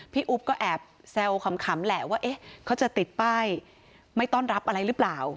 อุ๊บก็แอบแซวขำแหละว่าเขาจะติดป้ายไม่ต้อนรับอะไรหรือเปล่า